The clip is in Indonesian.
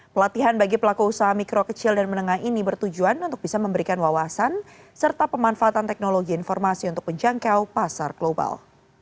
pelatihan bagi pelaku usaha mikro kecil dan menengah ini bertujuan untuk bisa memberikan wawasan serta pemanfaatan teknologi informasi untuk menjangkau pasar global